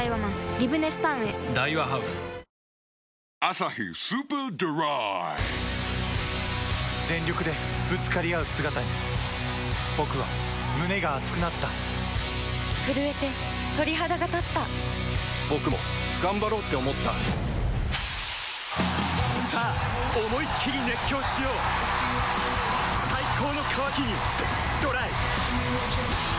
リブネスタウンへ「アサヒスーパードライ」全力でぶつかり合う姿に僕は胸が熱くなった震えて鳥肌がたった僕も頑張ろうって思ったさあ思いっきり熱狂しよう最高の渇きにＤＲＹ